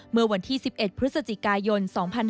เมื่อวันที่๑๑พฤศจิกายน๒๕๕๙